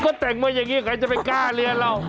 ก็แต่งมาอย่างนี้ใครจะไปกล้าเรียนเรา